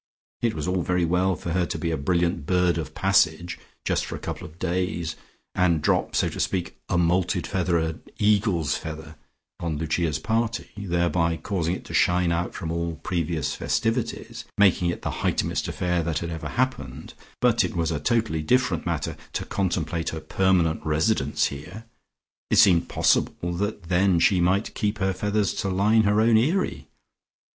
It was all very well for her to be a brilliant bird of passage just for a couple of days, and drop so to speak, "a moulted feather, a eagle's feather" on Lucia's party, thereby causing it to shine out from all previous festivities, making it the Hightumest affair that had ever happened, but it was a totally different matter to contemplate her permanent residence here. It seemed possible that then she might keep her feathers to line her own eyrie.